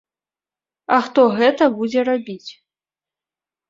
А хто гэта будзе рабіць?